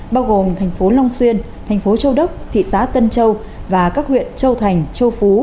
bao gồm thành phố long xuyên thành phố châu đốc thị xã tân châu và các huyện châu thành châu phú